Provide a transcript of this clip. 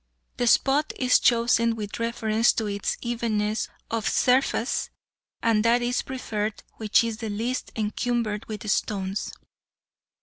The spot is chosen with reference to its evenness of surface, and that is preferred which is the least encumbered with stones.